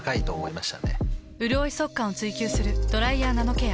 うるおい速乾を追求する「ドライヤーナノケア」。